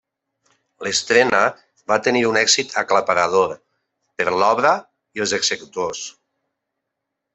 L'estrena va tenir un èxit aclaparador per l'obra i els executors.